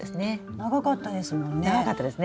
長かったですね。